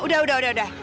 udah udah udah